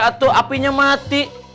aduh apinya mati